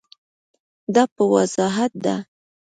دا په وضاحت ده.